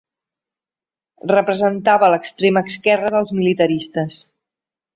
Representava l'extrema esquerra dels militaristes.